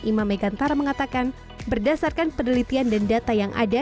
imam megantara mengatakan berdasarkan penelitian dan data yang ada